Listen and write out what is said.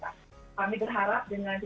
dapat memberikan dampak yang baik